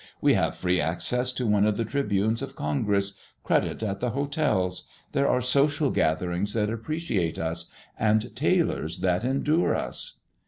We have free access to one of the tribunes of Congress, credit at the hotels; there are social gatherings that appreciate us, and tailors that endure us.